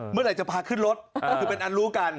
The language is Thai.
เมื่อไหร่จะพาขึ้นรถคือเป็นอันรู้กัน